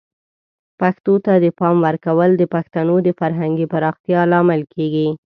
پښتو ته د پام ورکول د پښتنو د فرهنګي پراختیا لامل کیږي.